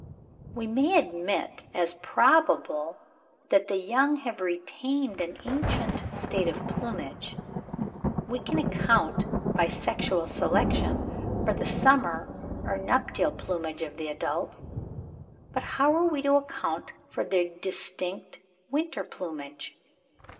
We may admit as probable that the young have retained an ancient state of plumage; we can account by sexual selection for the summer or nuptial plumage of the adults, but how are we to account for their distinct winter plumage?